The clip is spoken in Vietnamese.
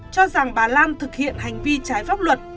cho rằng bà lan thực hiện hành vi trái pháp luật